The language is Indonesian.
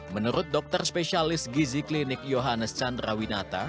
menurut dokter spesialis gizi klinik yohanes chandra winata